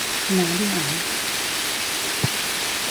马尼昂。